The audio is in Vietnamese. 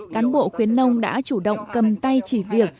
cán bộ khuyến nông đã chủ động cầm tay chỉ việc